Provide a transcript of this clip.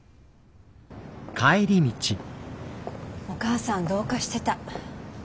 お母さんどうかしてた。